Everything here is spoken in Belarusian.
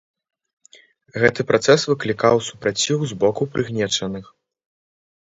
Гэты працэс выклікаў супраціў з боку прыгнечаных.